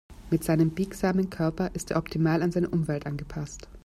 Mit seinem biegsamen Körper ist er optimal an seine Umwelt angepasst.